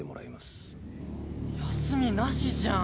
休みなしじゃん。